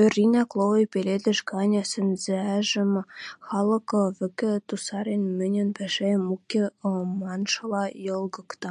Оринӓ кловой пеледӹш гань сӹнзӓжӹм, халык вӹкӹ тусарен, «Мӹньӹн пӓшӓэм уке» маншыла йолгыкта.